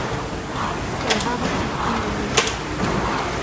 Keṛheɣ aselkim-inu.